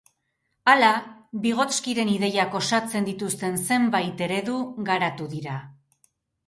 Hala, Vygotsky-ren ideiak osatzen dituzten zenbait eredu garatu dira.